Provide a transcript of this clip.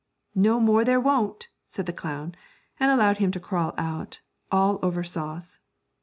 'No more there won't,' said the clown, and allowed him to crawl out, all over sauce.